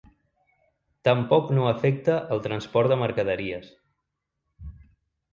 Tampoc no afecta el transport de mercaderies.